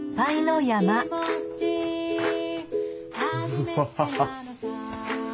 うわハハハ！